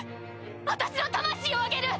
私の魂をあげる！